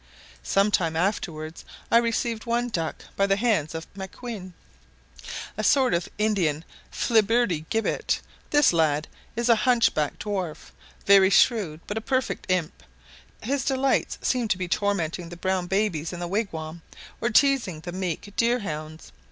Some time afterwards I received one duck by the hands of Maquin, a sort of Indian Flibberty gibbet: this lad is a hunchbacked dwarf, very shrewd, but a perfect imp; his delight seems to be tormenting the brown babies in the wigwam, or teazing the meek deer hounds.